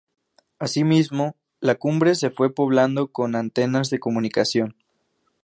Asimismo, la cumbre se fue poblando con antenas de comunicación.